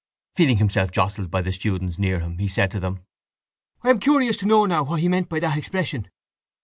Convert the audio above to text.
Feeling himself jostled by the students near him, he said to them: —I am curious to know now what he meant by that expression.